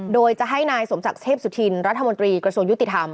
โดยจะให้นายสมศักดิ์เทพสุธินรัฐมนตรีกระทรวงยุติธรรม